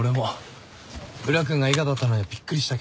宇良君が伊賀だったのにはびっくりしたけど。